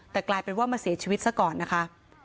แต่กลายเป็นว่ามาเสียชีวิตซะก่อนนะคะ